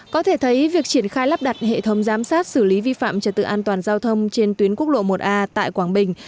có thể thấy việc triển khai lắp đặt hệ thống giám sát xử lý vi phạm trật tự an toàn giao thông trên tuyến quốc lộ một a tại quảng bình